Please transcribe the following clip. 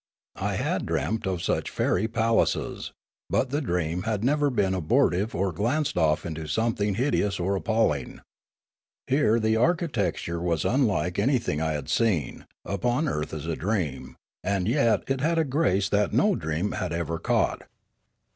I had dreamt of such fairy palaces; but the dream had ever been abortive or 2 Limanora glanced off into something hideous or appalling. Here was architecture as unlike anything I had seen upon earth as a dream, and yet it had a grace that no dream had ever caught.